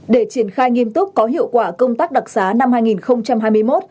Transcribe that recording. để triển khai nghiêm túc có hiệu quả công tác đặc sá năm hai nghìn hai mươi một